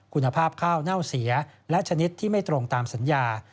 คุณภาพข้าวเน่าเสียและชนิดที่ไม่ตรงตามสัญญา